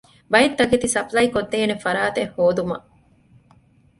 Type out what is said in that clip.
ބައެއް ތަކެތި ސަޕްލައި ކޮށްދޭނެ ފަރާތެއް ހޯދުމަށް